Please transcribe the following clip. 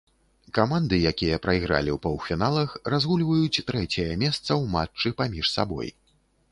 Каманды, якія прайгралі ў паўфіналах, разгульваюць трэцяе месца ў матчы паміж сабой.